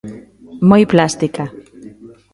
Moi plástica.